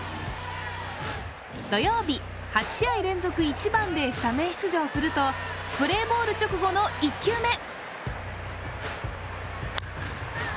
土曜日、８試合連続１番でスタメン出場するとプレーボール直後の１球目！